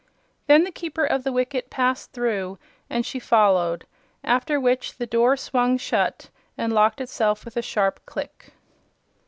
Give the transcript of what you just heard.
Then the Keeper of the Wicket passed through and she followed, after which the door swung shut and locked itself with a sharp click.